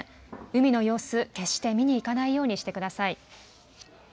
海の様子、決して見に行かないようにしてください。